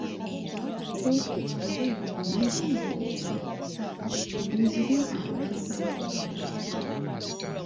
Ko ekikere nti, munfunire enswera ssatu nzirye ndyoke mbawe omwana wamwe.